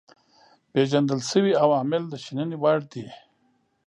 پيژندل شوي عوامل د شنني وړ دي.